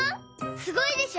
すごいでしょ！